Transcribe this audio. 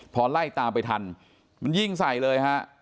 พอไล่ตามไปทันมันยิงใส่เลยฮะ